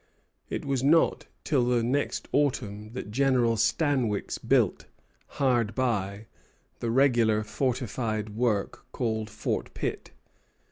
It was not till the next autumn that General Stanwix built, hard by, the regular fortified work called Fort Pitt.